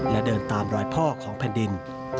และเดินตามรอยพ่อของแผ่นดิน